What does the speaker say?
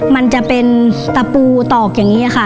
มันจะเป็นตะปูตอกอย่างนี้ค่ะ